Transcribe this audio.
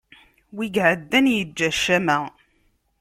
Wi iɛaddan yeǧǧa ccama.